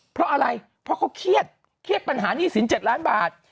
เพราะอะไรเพราะเขาเครียดเครียดปัญหาหนี้สิน๗ล้านบาท